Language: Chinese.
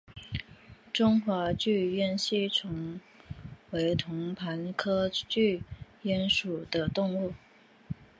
中华巨咽吸虫为同盘科巨咽属的动物。